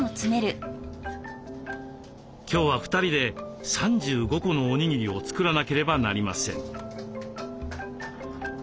今日は２人で３５個のおにぎりを作らなければなりません。